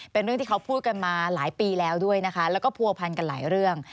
เป็นเรื่องที่เขาพูดกันมาหลายปีแล้วด้วยนะคะแล้วก็ผัวพันกันหลายเรื่อง